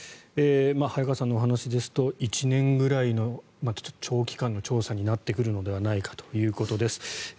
早川さんのお話ですと１年くらいの長期間の調査になってくるのではないかということです。